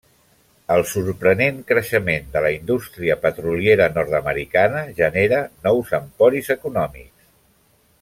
El sorprenent creixement de la indústria petroliera nord-americana genera nous emporis econòmics.